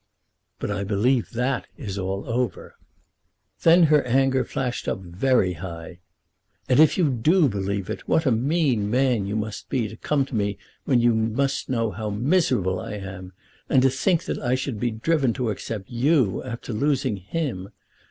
"But I believe that is all over." Then her anger flashed up very high. "And if you do believe it, what a mean man you must be to come to me when you must know how miserable I am, and to think that I should be driven to accept you after losing him!